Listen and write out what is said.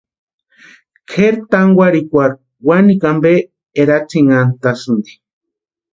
Kʼeri tankwarhikwarhu wanikwa ampe eratsinhantasïnti.